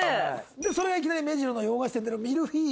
それがいきなり目白の洋菓子店でのミルフィーユ。